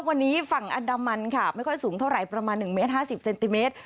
วันนี้ฝั่งอันดามันค่ะไม่ค่อยสูงเท่าไหร่ประมาณ๑เมตร๕๐เซนติเมตร